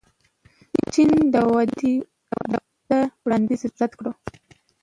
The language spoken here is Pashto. جین د واده وړاندیز رد کړ.